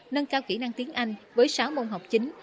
nâng cao kỹ năng tiếng anh với sáu môn học chính